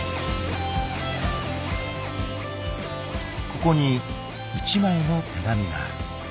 ［ここに１枚の手紙がある］